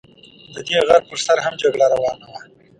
د دې غر پر سر هم جګړه روانه وه.